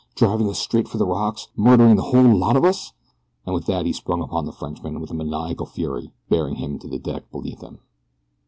Driving us straight for the rocks murdering the whole lot of us!" and with that he sprang upon the Frenchman with maniacal fury, bearing him to the deck beneath him.